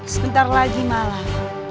sebentar lagi malam